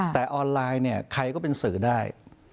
แต่ออนไลน์เนี่ยใครก็เป็นสื่อได้